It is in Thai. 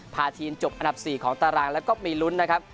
พาทีมจบอันดับ๔ของตารางแล้วก็มีลุ้นนะครับ